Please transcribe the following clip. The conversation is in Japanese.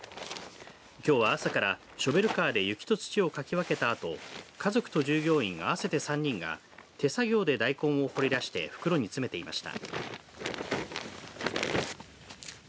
きょうは朝からショベルカーで雪と土をかき分けたあと家族と従業員合わせて３人が手作業で大根を掘り出して袋に詰めていました。